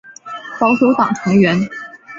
保守党成员。